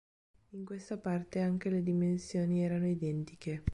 In questa parte anche le dimensioni erano identiche.